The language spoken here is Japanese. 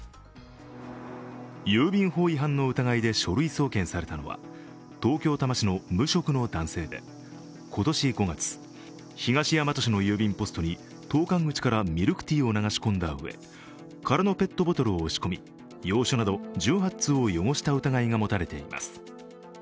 郵便法違反の疑いで書類送検されたのは東京・多摩市の無職の男性で今年５月、東大和市の郵便ポストに投かん口からミルクティーを流し込んだうえ、空のペットボトルを押し込みはがきなど１８通を汚した疑いが持たれています。